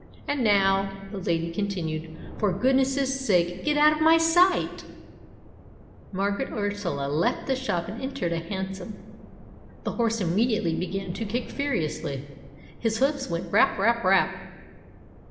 "And now," the lady con tinued, "for goodness' sake get out of my sight !" Margaret Ursula left the shop and entered a han som. The horse immediately began to kick furiously. His hoofs went rap, rap, rap.